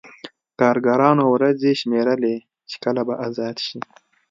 کارګرانو ورځې شمېرلې چې کله به ازاد شي